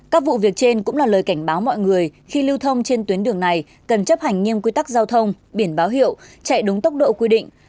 các vụ việc trên cũng là lời cảnh báo mọi người khi lưu thông trên tuyến đường này cần chấp hành nghiêm quy tắc giao thông biển báo hiệu chạy đúng tốc độ quy định